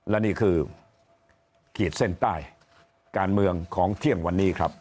และนี่คือขีดเส้นใต้การเมืองของเที่ยงวันนี้ครับ